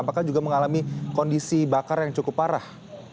apakah juga mengalami kondisi bakar yang cukup parah